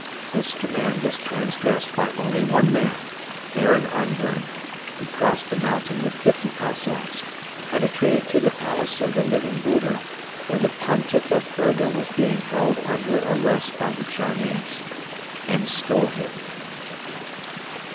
This command was transgressed by only one man, Baron Ungern, who crossed the mountain with fifty Cossacks, penetrated to the palace of the Living Buddha, where the Pontiff of Urga was being held under arrest by the Chinese, and stole him.